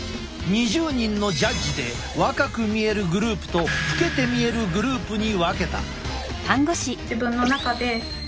２０人のジャッジで若く見えるグループと老けて見えるグループに分けた。